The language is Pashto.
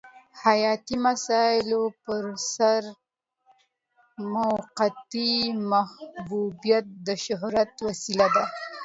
حیاتي مسایلو پرسر موقتي محبوبیت د شهرت وسیله ده.